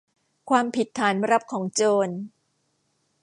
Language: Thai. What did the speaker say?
ความผิดฐานรับของโจร